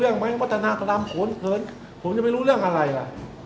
เรื่องไงวัฒนาพระบรรทีโขนเปิร์นผมจะไปรู้เรื่องอะไรล่ะ